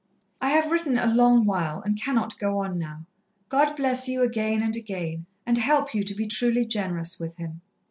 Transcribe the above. "I have written a long while, and cannot go on now. God bless you again and again, and help you to be truly generous with Him.